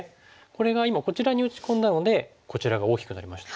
これが今こちらに打ち込んだのでこちらが大きくなりました。